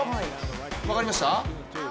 分かりました？